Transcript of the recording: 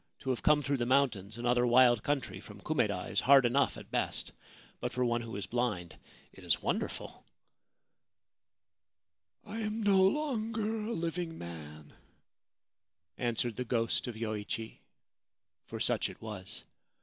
To have come through the mountains and other wild country from Kumeda is hard enough at best ; but for one who is blind it is wonderful/ * I am no longer a living man,' answered the ghost of Yoichi (for such it was).